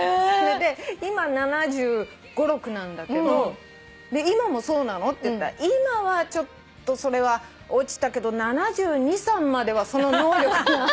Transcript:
それで今７５７６なんだけどで今もそうなの？って言ったら今はちょっとそれは落ちたけど７２７３まではその能力があった。